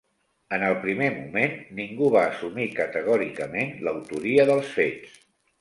En el primer moment, ningú va assumir categòricament l'autoria dels fets.